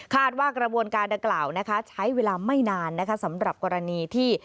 คาดว่ากระบวนการดังกล่าวใช้เวลาไม่นานสำหรับกรณีที่